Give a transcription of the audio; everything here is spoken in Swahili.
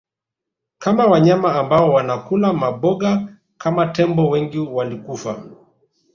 kwa wanyama ambao wanakula maboga kama tembo wengi walikufa